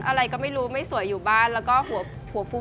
อะไรก็ไม่รู้ไม่สวยอยู่บ้านแล้วก็หัวฟู